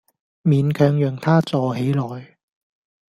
勉強讓她坐起來